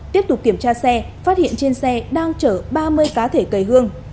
tiếp tục kiểm tra xe phát hiện trên xe đang chở ba mươi cá thể cầy hương